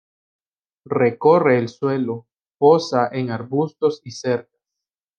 Recorre el suelo, posa en arbustos y cercas.